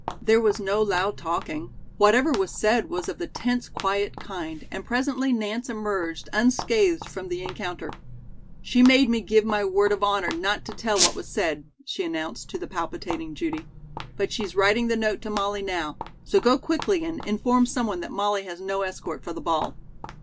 There was no loud talking. Whatever was said was of the tense quiet kind, and presently Nance emerged unscathed from the encounter. "She made me give my word of honor not to tell what was said," she announced to the palpitating Judy, "but she's writing the note to Molly now; so go quickly and inform someone that Molly has no escort for the ball."